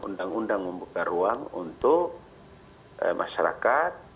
undang undang membuka ruang untuk masyarakat